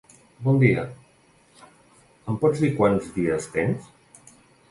Bon dia, em pots dir quants dies tens?